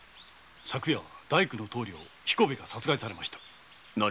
昨夜大工の棟梁彦兵衛が殺害されました。